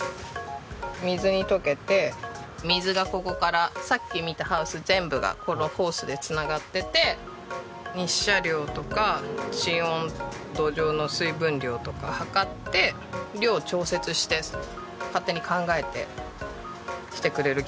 水に溶けて水がここからさっき見たハウス全部がこのホースで繋がってて日射量とか地温土壌の水分量とか測って量を調節して勝手に考えてきてくれる機械なんですよ。